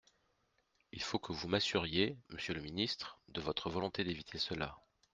Il faut que vous m’assuriez, monsieur le ministre, de votre volonté d’éviter cela.